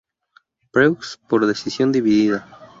Preux por decisión dividida.